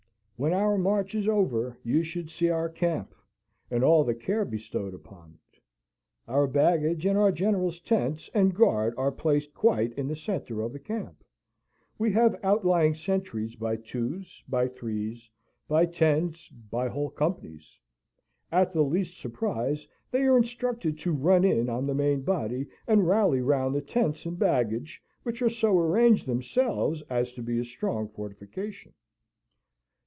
"When our march is over, you should see our camp, and all the care bestowed on it. Our baggage and our General's tents and guard are placed quite in the centre of the camp. We have outlying sentries by twos, by threes, by tens, by whole companies. At the least surprise, they are instructed to run in on the main body and rally round the tents and baggage, which are so arranged themselves as to be a strong fortification.